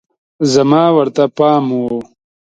زما ورته پام و